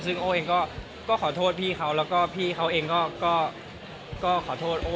ซึ่งโอ้เองก็ขอโทษพี่เขาแล้วก็พี่เขาเองก็ขอโทษโอ้